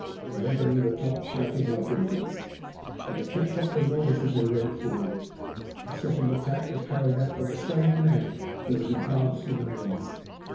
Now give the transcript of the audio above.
They went over the top shouting like Indians, and they kept up the noise as they went forward. The second attack was carried out by the same men who had advanced in the morning.